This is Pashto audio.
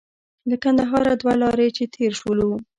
له کندهار دوه لارې چې تېر شولو.